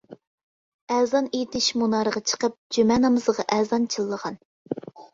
ئەزان ئېيتىش مۇنارىغا چىقىپ، جۈمە نامىزىغا ئەزان چىللىغان.